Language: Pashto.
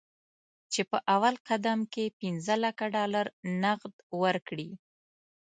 چې په اول قدم کې پنځه لکه ډالر نغد ورکړي.